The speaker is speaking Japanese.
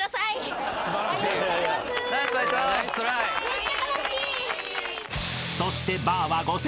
めっちゃ悲しい。